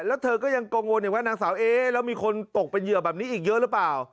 แล้วเธอก็ยังกังวลอยู่ว่านางสาวเอ๊แล้วมีคนตกเป็นเหยื่อแบบนี้อีกเยอะหรือเปล่า